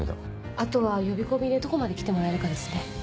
あとは呼び込みでどこまで来てもらえるかですね。